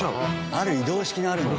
ある移動式のあるもの。